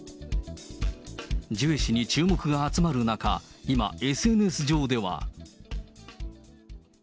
ジュエ氏に注目が集まる中、今、ＳＮＳ上では。